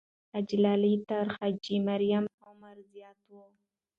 حاجي لالی تر حاجي مریم اکا عمر زیات وو.